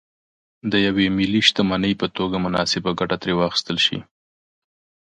د یوې ملي شتمنۍ په توګه مناسبه ګټه ترې واخیستل شي.